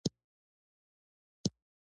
هیواد مې د ازاد ژوند خوږه فضا ده